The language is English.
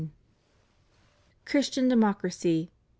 CHRISTIAN DEMOCRACY.